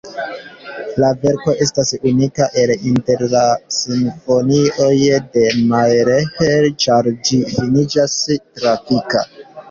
La verko estas unika el inter la simfonioj de Mahler, ĉar ĝi finiĝas tragika.